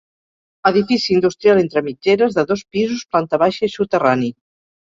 Edifici industrial entre mitgeres, de dos pisos, planta baixa i soterrani.